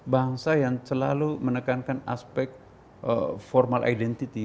bangsa yang selalu menekankan aspek formal identity